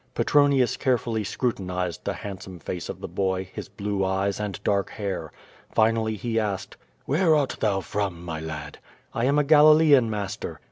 Petronius carefully scrutinized the handsome face of the boy, his blue eyes, and dark hair. Finally he asked: "Where art thou from, my lad?" "I am a Galilean, master."